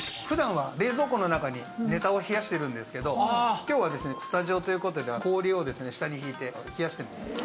普段は冷蔵庫の中にネタを冷やしてるんですけど今日はスタジオということで氷を下に引いて冷やしてます。